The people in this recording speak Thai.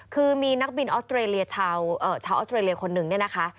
คือมีนักบินออสเตรเลียชาวออสเตรเลียคนนึงเนี่ยนะคะ